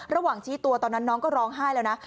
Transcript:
ระหว่างชี้ตัวตอนนั้นน้องก็ร้องไห้แล้วนะ